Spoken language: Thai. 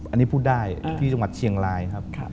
อันนี้พูดได้ที่จังหวัดเชียงรายครับ